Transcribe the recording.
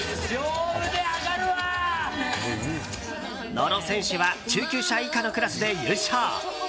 野呂選手は中級者以下のクラスで優勝！